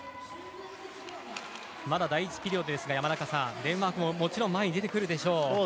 まだ第１ピリオドですがデンマークももちろん前に出てくるでしょう。